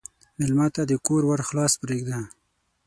مېلمه ته د کور ور خلاص پرېږده.